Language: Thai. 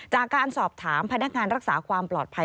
จากการสอบถามพนักงานรักษาความปลอดภัย